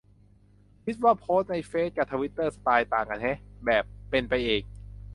คิดว่าโพสต์ในเฟซกะในทวิตเตอร์สไตล์ต่างกันแฮะ แบบ "เป็นไปเอง"